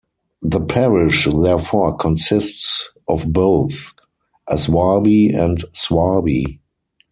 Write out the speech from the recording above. The parish therefore consists of both Aswarby and Swarby.